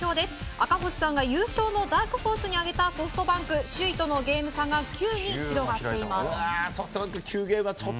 赤星さんが優勝のダークホースに挙げたソフトバンク。首位とのゲーム差が９に広がっています。